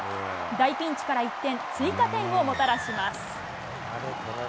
大ピンチから一転、追加点をもたらします。